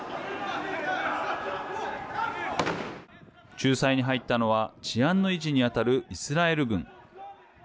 仲裁に入ったのは治安の維持に当たるイスラエル軍。